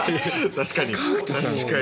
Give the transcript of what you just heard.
確かにね。